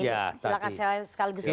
silahkan saya sekali justru untuk